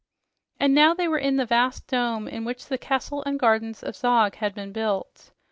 And now they were in the vast dome in which the castle and gardens of Zog had been built.